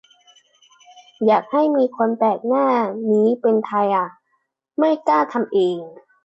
อยากให้มีคนแปลหน้านี้เป็นไทยอ่ะ ไม่กล้าทำเอง